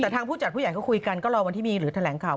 แต่ทางผู้จัดผู้ใหญ่เขาคุยกันก็รอวันที่มีหรือแถลงข่าว